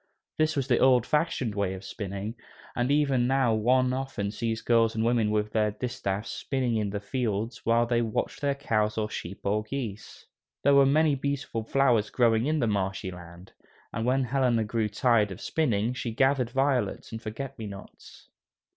This was the old fashioned way of spinning, and even now one often sees girls and women with their distaffs spinning in the fields while they watch their cows or sheep or geese. There were many beautiful flowers growing in the marshy land, and when Helena grew tired of spinning, she gathered violets and forget me nots.